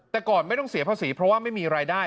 แต่ก่อนไม่ต้องเสียภาษีเพราะว่าไม่มีรายได้